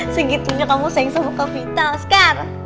segitunya kamu sayang sama kak vita oscar